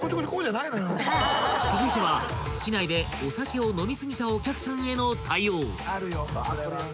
［続いては機内でお酒を飲み過ぎたお客さんへの対応］